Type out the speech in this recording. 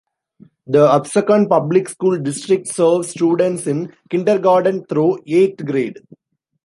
The Absecon Public School District serve students in kindergarten through eighth grade.